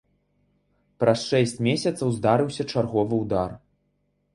Праз шэсць месяцаў здарыўся чарговы ўдар.